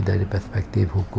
dari perspektif hukum gitu loh